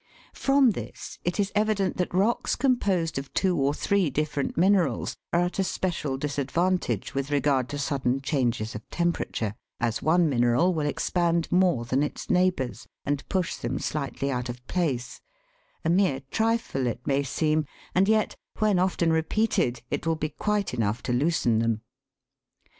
From this it is evident that rocks composed of two or three different minerals are at a special disadvantage with regard to sudden changes of temperature, as one mineral will expand more than its neighbours, and push them slightly out of place a mere trifle it may seem, and yet, when often repeated, it will be quite enough to loosen them.